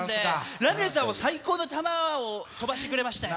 ラミレスさんは最高の球を飛ばしてくれましたよ。